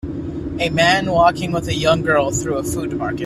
A man walking with a young girl through a food market.